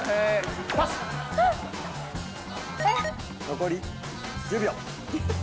残り１０秒。